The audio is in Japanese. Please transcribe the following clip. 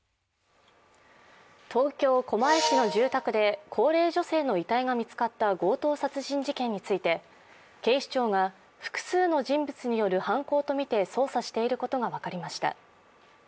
東京・狛江市の住宅で高齢女性の遺体が見つかった強盗殺人事件について警視庁が複数の人物による犯行とみて捜査していることが分かりました。